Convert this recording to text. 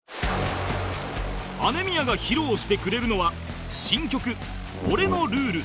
ＡＭＥＭＩＹＡ が披露してくれるのは新曲『俺のルール』